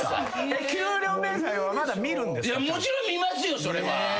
もちろん見ますよそれは。